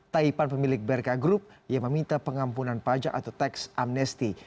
taipan pemilik berka group yang meminta pengampunan pajak atau tax amnesti